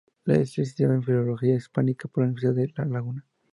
Es Licenciado en Filología Hispánica por la Universidad de La Laguna.